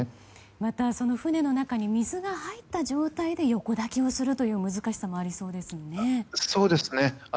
また、船の中に水が入った状態で横抱きをするという難しさもあるそうですね。